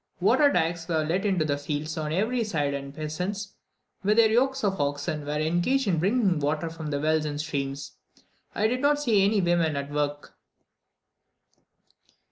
Water dykes were let into the fields on every side, and peasants, with their yokes of oxen, were engaged in bringing water from the wells and streams. I did not see any women at work.